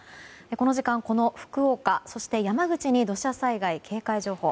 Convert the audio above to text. この時間、この福岡そして山口に土砂災害警戒情報。